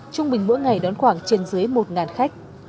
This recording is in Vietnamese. trung bình mỗi ngày đón khoảng trên dưới một khách